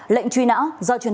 lệnh truy nã do truy nã